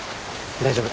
大丈夫。